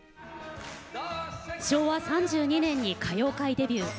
昭和３２年に歌謡界デビュー。